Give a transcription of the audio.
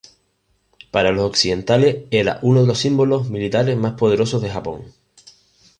Para los occidentales, era uno de los símbolos militares más poderosos de Japón.